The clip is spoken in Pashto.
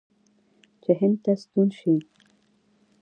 چې هند ته ستون شي.